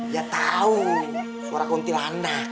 ya tau suara kuntilanak